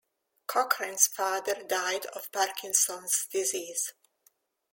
Cochrane's father died of Parkinson's disease.